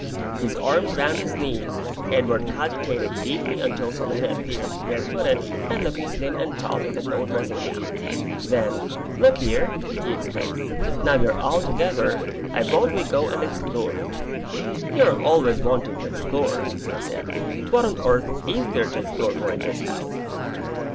His arms round his knees, Edward cogitated deeply until Selina appeared, barefooted, and looking slim and tall in the new dressing gown. Then, "Look here," he exclaimed; "now we're all together, I vote we go and explore!" "You're always wanting to explore," I said. "What on earth is there to explore for in this house?"